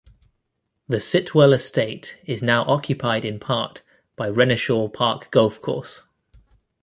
The Sitwell estate is now occupied in part by Renishaw Park Golf course.